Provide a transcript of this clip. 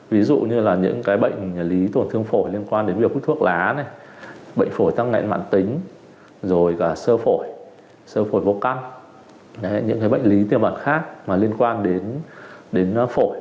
ví dụ như là những cái bệnh lý tổn thương phổi liên quan đến việc hút thuốc lá này bệnh phổi tăng ngạn mạng tính rồi cả sơ phổi sơ phổi vô căng những cái bệnh lý tiêu bản khác mà liên quan đến phổi